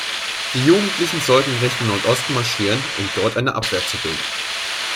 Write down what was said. Diese Jugendlichen sollten in Richtung Nordosten marschieren um dort eine „Abwehr“ zu bilden.